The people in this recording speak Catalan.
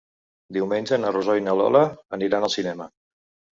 Diumenge na Rosó i na Lola aniran al cinema.